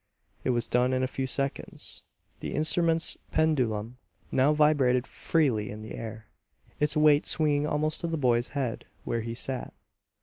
It was done in a few seconds. The instrument's pendulum now vibrated freely in the air, its weight swinging almost to the boy's head where he sat.